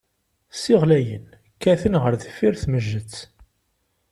Ssiɣlayen, kkaten ɣer deffir tmejjet.